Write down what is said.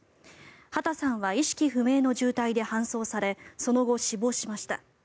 畠さんは意識不明の重体で搬送されその後、死亡しました。